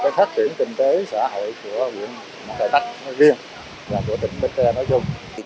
một phát triển kinh tế xã hội của huyện mỏ cầy bắc riêng và của tỉnh bến tre nói chung